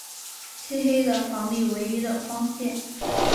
漆黑的房里唯一的光线